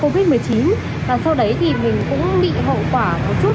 và sau đấy mình cũng bị hậu quả một chút